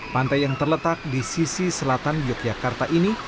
pantai yang terletak di sisi selatan yogyakarta ini